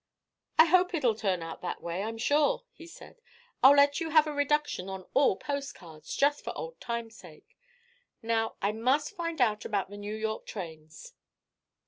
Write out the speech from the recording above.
"I hope it'll turn out that way, I'm sure," he said. "I'll let you have a reduction on all post cards, just for old times' sake. Now I must find out about the New York trains."